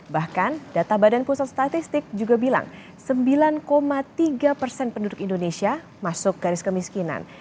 bahkan data badan pusat statistik juga bilang sembilan tiga persen penduduk indonesia masuk garis kemiskinan